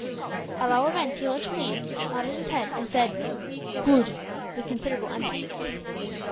At all events he looked pleased, nodded his head, and said "Good," with considerable emphasis.